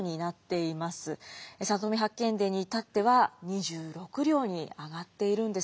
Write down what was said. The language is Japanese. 「里見八犬伝」にいたっては２６両に上がっているんですね。